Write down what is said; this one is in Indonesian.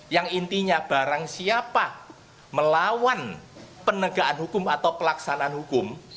yang intinya barang siapa melawan penegakan hukum atau pelaksanaan hukum